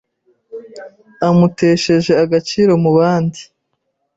amutesheje agaciro mu bandi,